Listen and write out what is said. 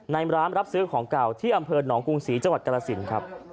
ในร้านรับซื้อของเก่าที่อำเภอหนองกรุงศรีจังหวัดกรสินครับ